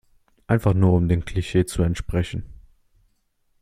Einfach nur um dem Klischee zu entsprechen.